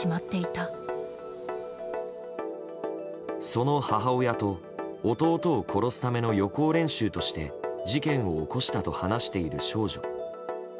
その母親と弟を殺すための予行練習として事件を起こしたと話している少女。